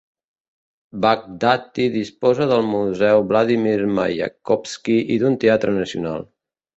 Baghdati disposa del Museu Vladimir Mayakovsky i d'un Teatre Nacional.